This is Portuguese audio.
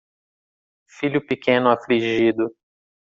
Filho pequeno afligido